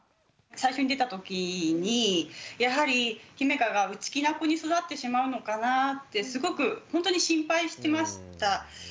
最初に出たときにやはりひめかが内気な子に育ってしまうのかなぁってすごくほんとに心配してました。